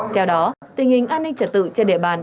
theo đó tình hình an ninh trật tự trên địa bàn